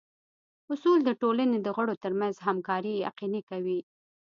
اصول د ټولنې د غړو ترمنځ همکاري یقیني کوي.